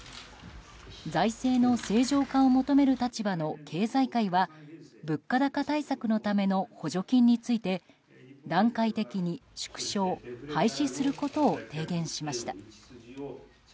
財政の正常化を求める立場の経済界は物価高対策のための補助金について段階的に縮小・廃止することを提言しました。